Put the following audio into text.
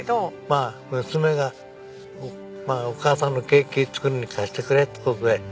まあ娘がお母さんのケーキ作るのに貸してくれって事で。